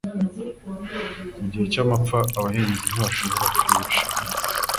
Mu gihe cy'amapfa, abahinzi ntibashobora kwibeshaho.